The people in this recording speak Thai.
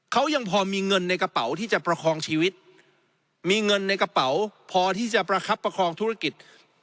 เขายังพอมีเงินในกระเป๋าที่จะประคองชีวิตมีเงินในกระเป๋าพอที่จะประคับประคองธุรกิจ